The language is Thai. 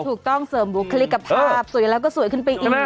ถูกต้องเสริมบุคลิกกับภาพสวยแล้วก็สวยขึ้นไปอีก